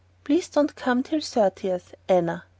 Please don't come till thirtieth. Anna."